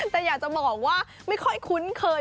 แต่อยากจะบอกว่าไม่ค่อยคุ้นเคย